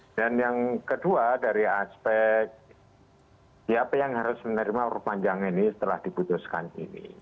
dan yang kedua dari aspek siapa yang harus menerima uruf panjang ini setelah diputuskan ini